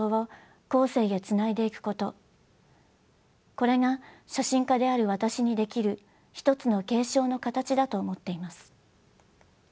これが写真家である私にできるひとつの継承の形だと思っています。